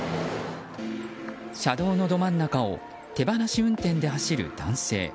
車道のど真ん中を手放し運転で走る男性。